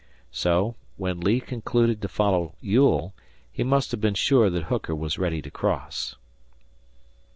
So, when Lee concluded to follow Ewell, he must have been sure that Hooker was ready to cross.